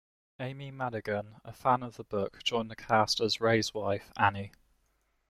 Amy Madigan, a fan of the book, joined the cast as Ray's wife, Annie.